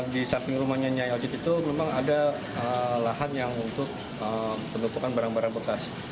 di samping rumahnya nyajit itu memang ada lahan yang untuk penumpukan barang barang bekas